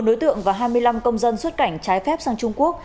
bốn đối tượng và hai mươi năm công dân xuất cảnh trái phép sang trung quốc